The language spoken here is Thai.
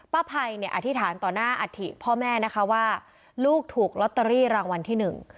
ภัยเนี่ยอธิษฐานต่อหน้าอัฐิพ่อแม่นะคะว่าลูกถูกลอตเตอรี่รางวัลที่หนึ่ง